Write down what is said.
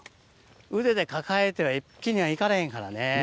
腕で抱えては一気には行かれへんからね。